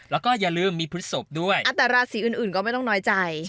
แล้วก็อย่าลืมมีพฤศพด้วยแต่ราศีอื่นอื่นก็ไม่ต้องน้อยใจ